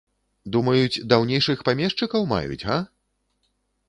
Думаюць, даўнейшых памешчыкаў маюць, га?